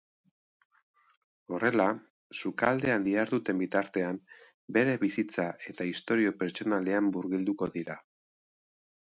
Horrela, sukaldean diharduten bitartean, bere bizitza eta istorio pertsonalean murgilduko dira.